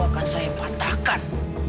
akan saya patahkan